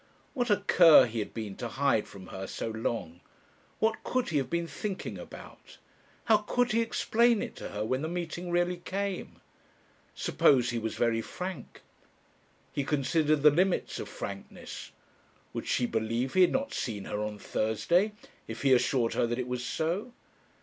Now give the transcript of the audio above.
What a cur he had been to hide from her so long! What could he have been thinking about? How could he explain it to her, when the meeting really came? Suppose he was very frank He considered the limits of frankness. Would she believe he had not seen her on Thursday? if he assured her that it was so?